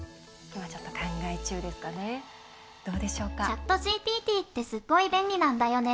ｃｈａｔＧＰＴってすっごい便利なんだよね！